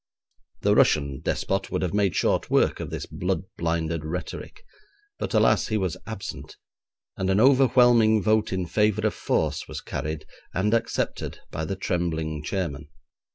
The Russian despot would have made short work of this blood blinded rhetoric, but alas, he was absent, and an overwhelming vote in favour of force was carried and accepted by the trembling chairman.